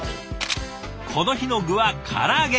この日の具は唐揚げ。